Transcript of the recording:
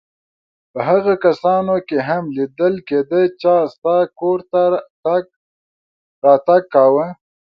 په هغو کسانو کې هم لیدل کېده چا ستا کور ته تګ راتګ کاوه.